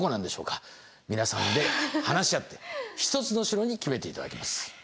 皆さんで話し合って１つの城に決めて頂きます。